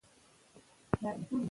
که اس ځغلونه وکړو نو دود نه مري.